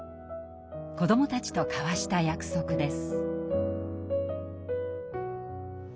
子どもたちと交わした約束です。